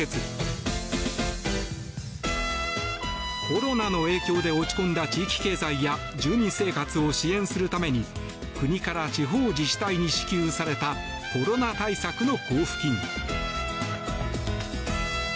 コロナの影響で落ち込んだ地域経済や住民生活を支援するために国から地方自治体に支給されたコロナ対策の交付金。